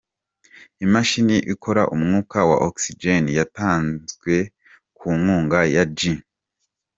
Imashini ikora umwuka wa Oxygen yatanzwe ku nkunga ya G.